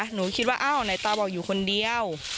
หนูคิดว่าอ้าวไหนตาบอกอยู่คนเดียว